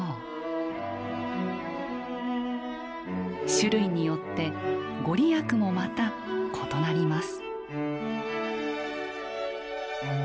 種類によって御利益もまた異なります。